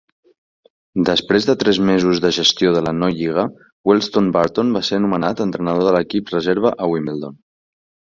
Després de tres mesos de gestió de la no-Lliga Wealdstone Burton va ser nomenat entrenador de l'equip reserva a Wimbledon.